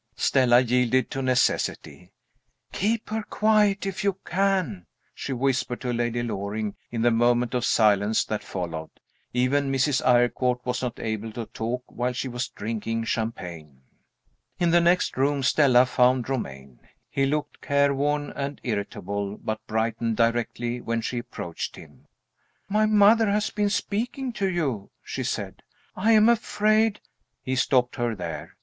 Stella yielded to necessity. "Keep her quiet, if you can," she whispered to Lady Loring, in the moment of silence that followed. Even Mrs. Eyrecourt was not able to talk while she was drinking champagne. In the next room Stella found Romayne. He looked careworn and irritable, but brightened directly when she approached him. "My mother has been speaking to you," she said. "I am afraid " He stopped her there.